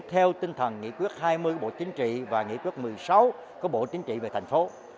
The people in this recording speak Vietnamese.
theo tinh thần nghị quyết hai mươi bộ chính trị và nghị quyết một mươi sáu của bộ chính trị về thành phố